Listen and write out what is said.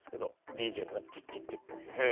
ＤＪのねキュッキュッキュッてやつ。